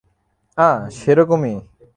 আঃ, সেরকমই।